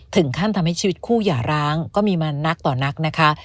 ถึงขั้นทำให้ชีวิตคู่อย่าร้างก็มีมานักต่อนักนะคะ